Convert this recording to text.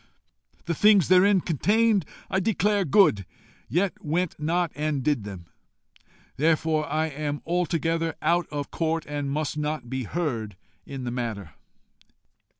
The things therein contained I declare good, yet went not and did them. Therefore am I altogether out of court, and must not be heard in the matter.